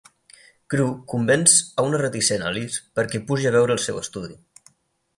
Crewe convenç a una reticent Alice perquè pugi a veure el seu estudi.